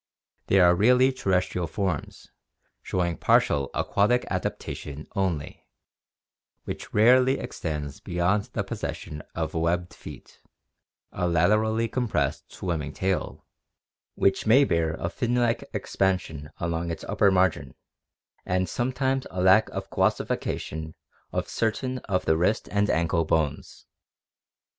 They are really terrestrial forms, showing partial aquatic adaptation only, which rarely extends beyond the possession of webbed feet, a laterally compressed swimming tail, which may bear a fin like expansion along its upper margin, and sometimes a lack of coossification of certain of the wrist and ankle bones.